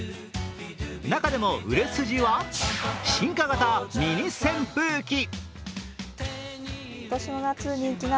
中でも売れ筋は、進化型ミニ扇風機。